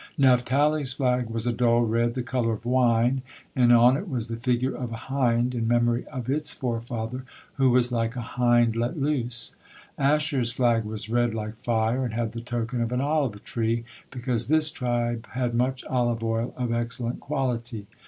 Naphtali's flag was a dull red, the color of wine, and on it was the figure of a hind, in memory of its forefather, who was like "a hind let loose." Ashere's flag was red like fire, and had the token of an olive tree, because this tribe had much olive oil of excellent quality.